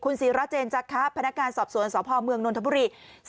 ศิราเจนจักครับพนักงานสอบสวนสพเมืองนนทบุรี